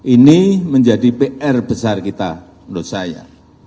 ini menjadi pr besar kita menurut saya